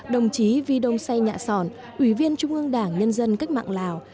đồng chí vi đông say nhạ sòn ủy viên trung ương đảng nhân dân cách mạng lào